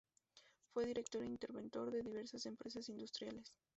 Fue director e interventor de diversas empresas industriales.